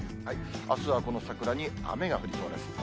あすはこの桜に雨が降りそうです。